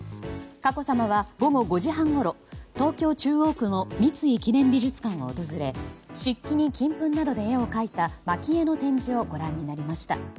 佳子さまは午後５時半ごろ東京・中央区の三井記念美術館を訪れ漆器に金粉などで絵を描いた蒔絵の展示をご覧になりました。